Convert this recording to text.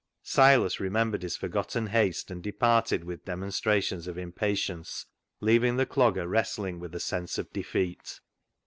Silas remembered his forgotten haste, and de parted with demonstrations of impatience, leaving the Clogger wrestling with a sense of defeat.